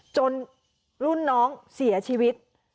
จนรุ่นน้องเสียชีวิต